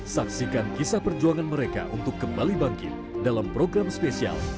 saksikan kisah perjuangan mereka untuk kembali bangkit dalam program spesial